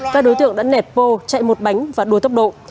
các đối tượng đã nẹt vô chạy một bánh và đua tốc độ